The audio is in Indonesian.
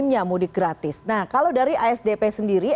starbucks mobil penge traumas itu sudah berjalan lebih lebar dalam pake airko